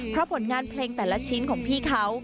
เพราะผลงานเพลงแต่ละชิ้นของพี่เขา